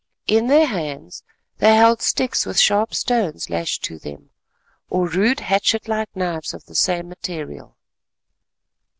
In their hands they held sticks with sharp stones lashed on to them, or rude hatchet like knives of the same material.